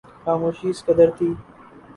خاموشی اس قدر تھی